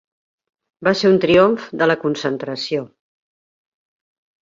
Va ser un triomf de la concentració.